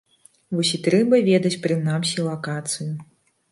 Вось і трэба ведаць прынамсі лакацыю.